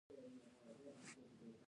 د غبرګو سترګو په تصوير تم شو.